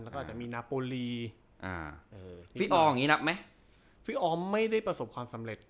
แล้วก็อาจจะมีนาโปรลีอ่าเออฟิออร์อย่างงี้นับไหมฟิออร์ไม่ได้ประสบความสำเร็จ